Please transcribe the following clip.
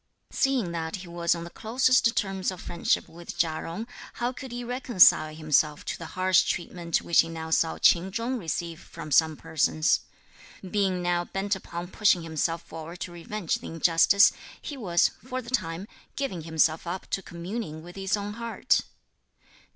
Seeing that he was on the closest terms of friendship with Chia Jung, how could he reconcile himself to the harsh treatment which he now saw Ch'in Chung receive from some persons? Being now bent upon pushing himself forward to revenge the injustice, he was, for the time, giving himself up to communing with his own heart.